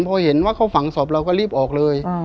พอเห็นว่าเขาฝังศพเราก็รีบออกเลย